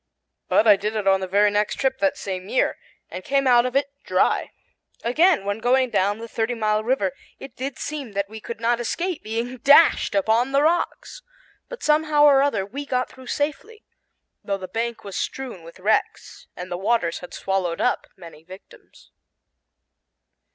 But I did it on the very next trip that same year, and came out of it dry. Again, when going down the Thirty Mile River, it did seem that we could not escape being dashed upon the rocks. But somehow or other we got through safely, though the bank was strewn with wrecks and the waters had swallowed up many victims.